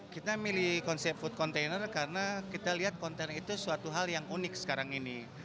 kita milih konsep food container karena kita lihat konten itu suatu hal yang unik sekarang ini